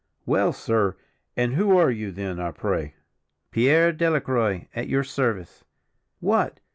"Well, sir, and who are you, then, I pray?" "Pierre Delacroix, at your service." "What!